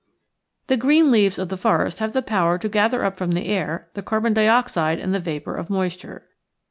The green leaves of the forest have the power to gather up from the air the carbon dioxide and the vapor of moisture.